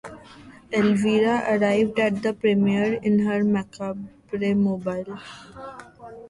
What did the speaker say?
Elvira arrived at the premiere in her Macabre Mobile.